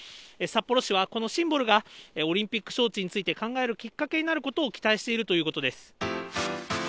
札幌市は、このシンボルがオリンピック招致について考えるきっかけになることを期待しているということです。